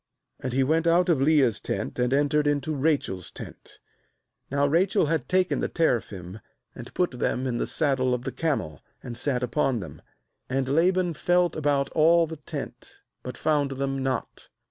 And he went out of Leah's tent, and entered into Rachel's tent. ^Now Rachel had taken the teraphim, and put them in the saddle of the camel, and sat upon them. And Laban felt about all the tent, but found them not.